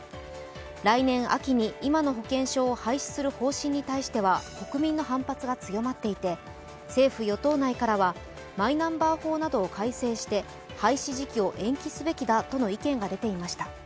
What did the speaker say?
来年秋に今の保険証を廃止する方針に対しては国民の反発が強まっていて政府・与党内からはマイナンバー法などを改正して廃止時期を延期すべきだとの意見が出ていました。